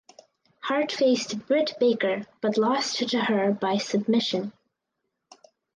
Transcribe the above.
Hart faced Britt Baker but lost to her by submission.